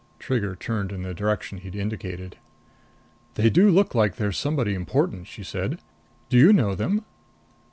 Trigger turned in the direction he'd indicated. "They do look like they're somebody important," she said. "Do you know them?"